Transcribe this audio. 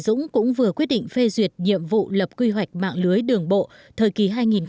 dũng cũng vừa quyết định phê duyệt nhiệm vụ lập quy hoạch mạng lưới đường bộ thời kỳ hai nghìn hai mươi một hai nghìn ba mươi